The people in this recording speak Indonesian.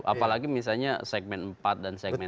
apalagi misalnya segmen empat dan segmen